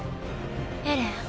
エレン。